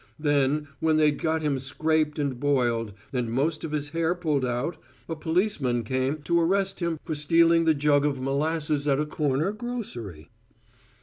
Then, when they'd got him scraped and boiled, and most of his hair pulled out, a policemen came to arrest him for stealing the jug of molasses at a corner grocery."